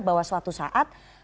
bahwa suatu saat